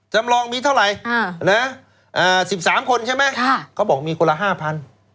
จำลองมีเท่าไหร่๑๓คนใช่ไหมเขาบอกมีคนละ๕๐๐